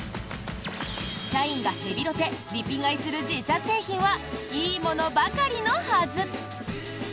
社員がヘビロテ・リピ買いする自社製品はいいものばかりのはず！